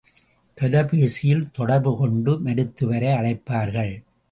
தொலைபேசியில் தொடர்பு கொண்டு மருத்துவரை அழைப்பார்கள்.